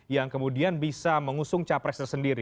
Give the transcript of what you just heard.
yang kemudian bisa mengusung capres tersendiri